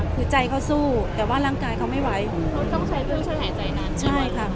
คือใจเขาสู้แต่ว่าร่างกายเขาไม่ไหวเขาต้องใช้ด้วยใช้หายใจนาน